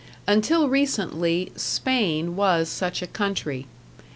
Until recently, Spain was such a country.